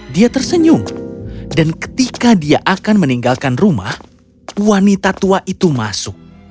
dia tersenyum dan ketika dia akan meninggalkan rumah wanita tua itu masuk